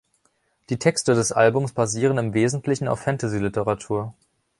Die Texte des Albums basieren im Wesentlichen auf Fantasyliteratur.